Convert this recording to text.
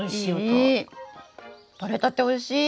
とれたておいしい！